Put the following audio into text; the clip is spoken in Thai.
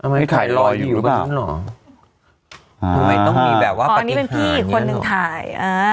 ไม่ไข่ลอยอยู่แบบนั้นหรออ๋ออันนี้เป็นพี่อีกคนนึงถ่ายอ่า